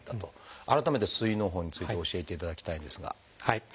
改めて膵のう胞について教えていただきたいんですが。